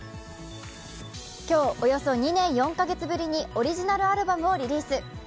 今日、およそ２年４カ月ぶりにオリジナルアルバムをリリース。